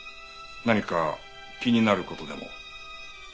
何か気になる事でも？